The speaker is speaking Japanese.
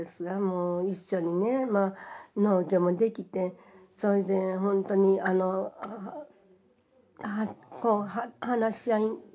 一緒にね農業もできてそれでほんとにあのこう話し合い。